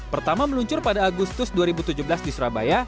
pertama meluncur pada agustus dua ribu tujuh belas di surabaya